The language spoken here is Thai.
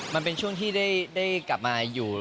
มันเป็นช่วงที่ได้กลับมาอยู่